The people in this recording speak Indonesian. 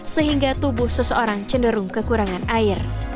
sehingga tubuh seseorang cenderung kekurangan air